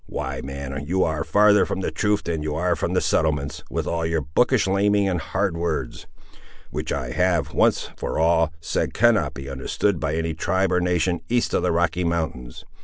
Why, man, you are farther from the truth than you are from the settlements, with all your bookish larning and hard words; which I have, once for all, said cannot be understood by any tribe or nation east of the Rocky Mountains.